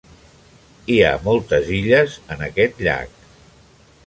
Hi ha moltes illes en aquest llac.